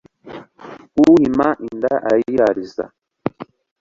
uhima inda arayirariza